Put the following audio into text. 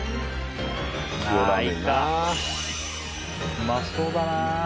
うまそうだな。